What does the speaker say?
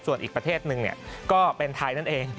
ส่วนอีกประเทศหนึ่งก็เป็นไทยนั่นเอง